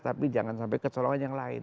tapi jangan sampai kecolongan yang lain